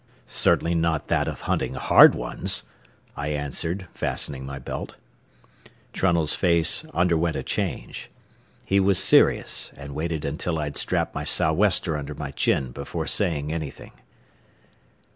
"Certainly not that of hunting hard ones," I answered, fastening my belt. Trunnell's face underwent a change. He was serious and waited until I had strapped my sou'wester under my chin before saying anything.